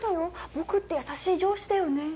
僕って優しい上司だよね。